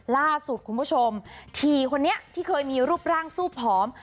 ล่าสุดคุณผู้ชมทีคนนี้ที่เคยมีรูปร่างสู้ผอม